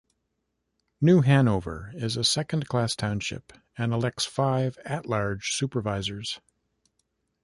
New Hanover is a second-class township and elects five at-large supervisors.